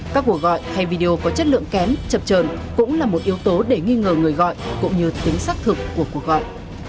các cuộc gọi hay video có chất lượng kém chập trờn cũng là một yếu tố để nghi ngờ người gọi cũng như tính xác thực của cuộc gọi